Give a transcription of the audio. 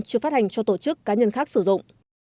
chưa phát hành cho tổ chức cá nhân khác sử dụng